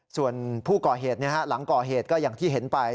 ส่วนผู้ก่อเหตุหลังก่อเหตุก็อย่างที่เห็นไป